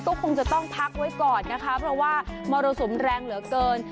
ก็คงจะต้องพักไว้ก่อนนะคะเพราะว่ามรสุมแรงเหลือเกิน